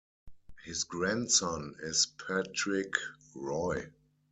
His grandson is Patrick Roy.